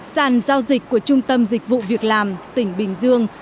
sàn giao dịch của trung tâm dịch vụ việc làm tỉnh bình dương